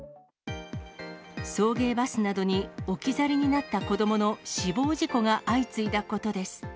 送迎バスなどに置き去りになった子どもの死亡事故が相次いだことです。